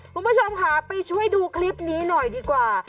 คุณผู้ชมค่ะไปช่วยดูคลิปนี้หน่อยดีกว่า